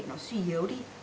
nó suy yếu đi